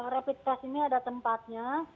rapid test ini ada tempatnya